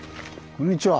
こんにちは。